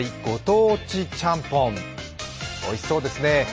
ご当地ちゃんぽん、おいしそうですね